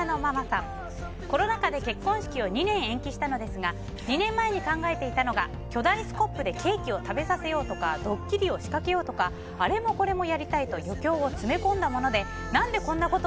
コロナ禍で結婚式を２年延期したのですが２年前に考えていたのが巨大スコップでケーキを食べさせようとかドッキリを仕掛けようとかワン・ツー・スリー・Ｍｙｍｉｔｓ